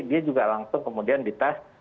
dia juga langsung kemudian dites